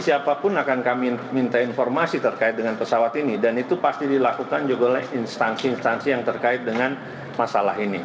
siapapun akan kami minta informasi terkait dengan pesawat ini dan itu pasti dilakukan juga oleh instansi instansi yang terkait dengan masalah ini